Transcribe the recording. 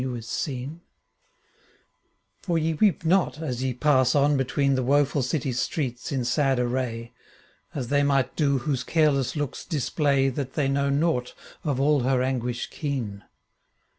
79 CANZONIERE For ye weep not, as ye pass on between * The woeful city's streets in sad array, As they might do whose careless looks di'^play That they know nought of all her anguish keen.